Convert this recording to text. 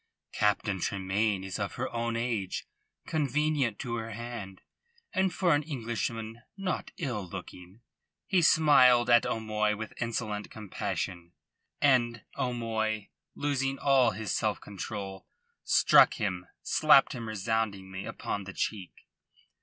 Captain Tremayne is of her own age, convenient to her hand, and for an Englishman not ill looking." He smiled at O'Moy with insolent compassion, and O'Moy, losing all his self control, struck him slapped him resoundingly upon the cheek.